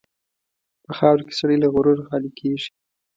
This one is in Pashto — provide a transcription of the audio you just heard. په خاوره کې سړی له غروره خالي کېږي.